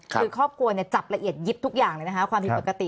คือครอบครัวจับละเอียดยิบทุกอย่างเลยนะคะความผิดปกติ